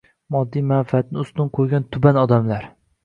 moddiy manfaatini ustun qo‘ygan tuban odamlar